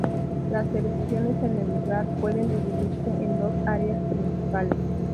Las erupciones en el lugar pueden dividirse en dos áreas principales.